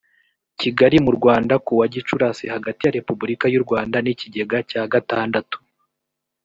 kigali mu rwanda ku wa gicurasi hagati ya repubulika y u rwanda n ikigega cya gatandatu